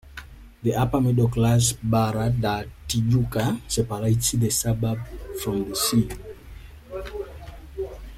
The upper middle class Barra da Tijuca separates the suburb from the sea.